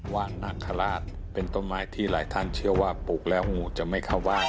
ว่านนาคาราชเป็นต้นไม้ที่หลายท่านเชื่อว่าปลูกแล้วงูจะไม่เข้าบ้าน